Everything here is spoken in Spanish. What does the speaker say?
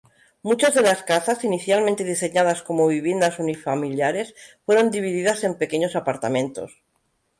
Muchas de las casas, inicialmente diseñadas como viviendas unifamiliares, fueron divididas en pequeños apartamentos.